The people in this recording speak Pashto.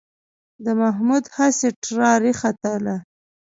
د محمود هسې ټراري ختله.